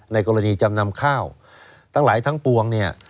ในกรณีจำนำข้าวทั้งหลายทั้งปวงเนี่ย